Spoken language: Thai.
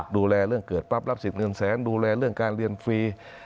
ดูแลเรื่องเกิดปั๊บรับสิทธิ์เงินแสนดูแลเรื่องการเรียนฟรี